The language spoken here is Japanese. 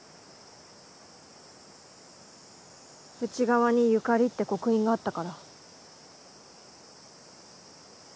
内側に「ＹＵＫＡＲＩ」って刻印があったから。